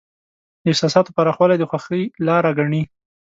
د احساساتو پراخوالی د خوښۍ لاره ګڼي.